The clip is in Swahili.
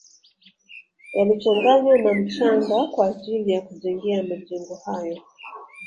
Yalichanganywa na mchanga kwa ajili ya kujengea majengo hayo